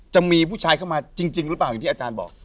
จะมีผู้ชายเข้ามาจริงหรือเปล่าอย่างที่อาจารย์บอก